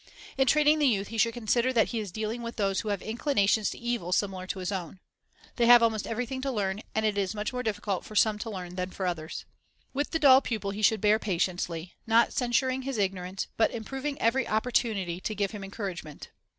In training the youth he should consider that he is dealing with those who have inclinations to evil similar to his own. They have almost everything to learn, and it is much more difficult for some to learn than for others. With the dull pupil he should bear patiently, not censuring his ignorance, but improving every opportunity to give him encouragement.